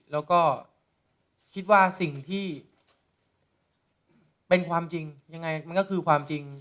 แล้วก็คิดว่าสิ่งที่เป็นความจริงยังไงมันก็คือความจริง